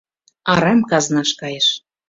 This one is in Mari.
Арам казнаш кайыш.